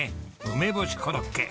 梅干しコロッケ！